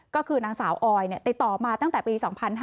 ก็คือนางสาวออยติดต่อมาตั้งแต่ปี๒๕๕๙